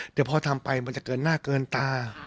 เดี๋ยวพอทำไปมันจะเกินหน้าเกินตา